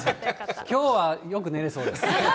きょうはよく寝れそうです。